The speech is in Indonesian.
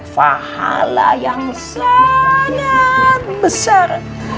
fahala yang sangat besar